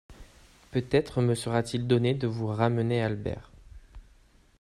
Peut-être me sera-t-il donné de vous ramener Albert.